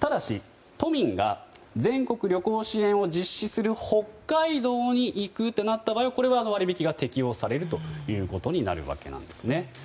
ただし、都民が全国旅行支援を実施する北海道に行くとなった場合は割引が適用されることになるわけなんですね。